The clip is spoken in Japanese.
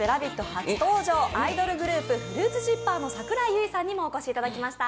初登場アイドルグループ、ＦＲＵＩＴＳＺＩＰＰＥＲの櫻井優衣さんにもお越しいただきました。